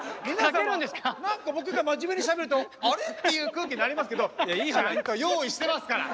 何か僕が真面目にしゃべると「あれ？」っていう空気になりますけどちゃんと用意してますから！